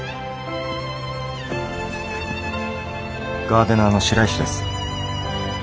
ガーデナーの白石です。